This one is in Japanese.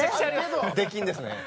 出禁ですね。